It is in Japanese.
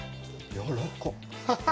やらかっ。